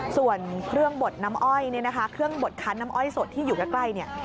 ส่วนเครื่องบดน้ำอ้อยเนี่ยนะคะเครื่องบดคันน้ำอ้อยสดที่อยู่ใกล้เนี่ย